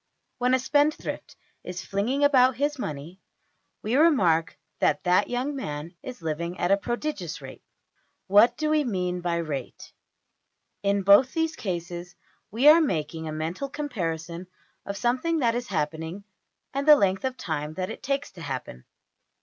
When a spendthrift is flinging about his money, we remark that that young man is living at a prodigious rate. \DPPageSep{065.png}% What do we mean by \emph{rate}? In both these cases we are making a mental comparison of something that is happening, and the length of time that it takes to happen.